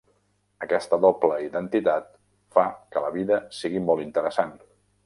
Aquesta doble identitat fa que la vida sigui molt interessant.